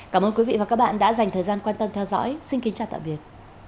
cảm ơn quý vị và các bạn đã dành thời gian quan tâm theo dõi xin kính chào tạm biệt